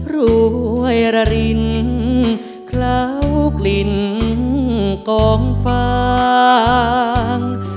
รวยระรินเคล้ากลิ่นกองฟาง